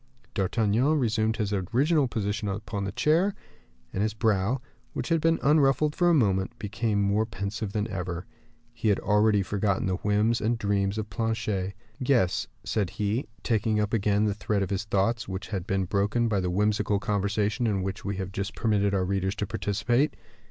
D'Artagnan resumed his original position upon his chair, and his brow, which had been unruffled for a moment, became more pensive than ever. He had already forgotten the whims and dreams of Planchet. "Yes," said he, taking up again the thread of his thoughts, which had been broken by the whimsical conversation in which we have just permitted our readers to participate.